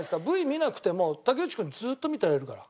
Ｖ見なくても竹内君ずっと見てられるから。